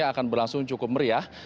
akan berlangsung cukup meriah